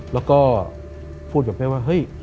แล้วก็พูดกับแม่ว่าเฮ้ย